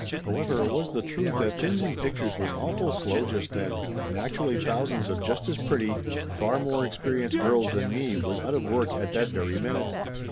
However, it was the truth that things in pictures was awful slow just then, and actually thousands of just as pretty, far more ex perienced girls than me was out of work at that very minute.